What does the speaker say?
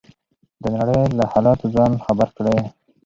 د نړۍ له حالاتو ځان خبر کړئ.